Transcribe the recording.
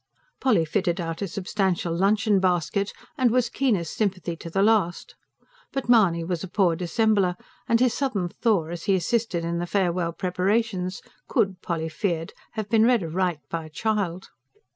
Polly fitted out a substantial luncheon basket, and was keenest sympathy to the last. But Mahony was a poor dissembler; and his sudden thaw, as he assisted in the farewell preparations, could, Polly feared, have been read aright by a child.